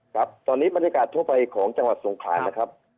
ครับตอนนี้บรรยากาศทั่วไปของจังหวัดสงขลานะครับ